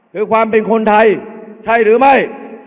คือความเป็นคนไทยใช่หรือไม่